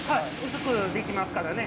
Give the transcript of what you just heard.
薄くできますからね。